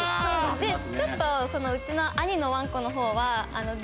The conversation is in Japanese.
ちょっとうちの兄のワンコの方は。